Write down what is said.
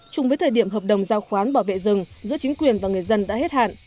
chung với thời điểm hợp đồng giao khoán bảo vệ rừng giữa chính quyền và người dân đã hết hạn